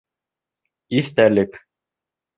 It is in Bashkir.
Иҫтәлек